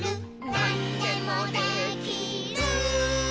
「なんでもできる！！！」